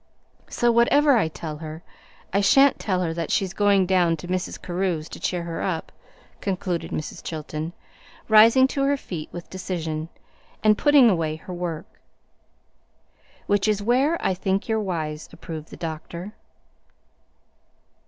So, whatever I tell her, I sha'n't tell her that she's going down to Mrs. Carew's to cheer her up," concluded Mrs. Chilton, rising to her feet with decision, and putting away her work. "Which is where I think you're wise," approved the doctor.